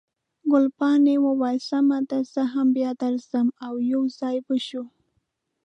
ګلپاڼې وویل، سمه ده، زه هم بیا درځم، او یو ځای به شو.